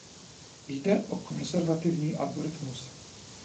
Jde o konzervativní algoritmus.